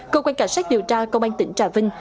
cơ quan cảnh sát điều tra công an tỉnh trà vinh